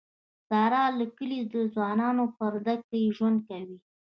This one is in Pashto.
ساره له د کلي له ځوانانونه په پرده کې ژوند کوي.